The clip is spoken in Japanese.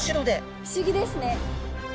不思議ですね。